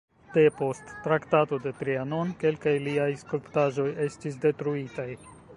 Depost Traktato de Trianon kelkaj liaj skulptaĵoj estis detruitaj.